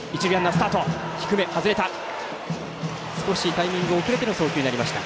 タイミング遅れての送球になりました。